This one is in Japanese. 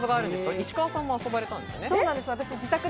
石川さん、遊ばれたんですよね？